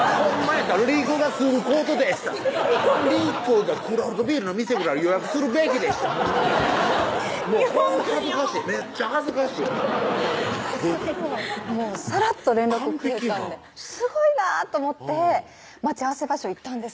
やったら理子がすることでした理子がクラフトビールの店ぐらい予約するべきでした日本語日本語めっちゃ恥ずかしいえぇっさらっと連絡くれたんですごいなと思って待ち合わせ場所行ったんです